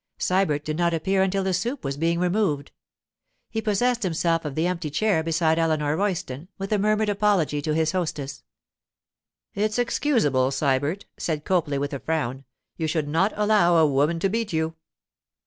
Sybert did not appear until the soup was being removed. He possessed himself of the empty chair beside Eleanor Royston, with a murmured apology to his hostess. 'It's excusable, Sybert,' said Copley, with a frown. 'You should not allow a woman to beat you.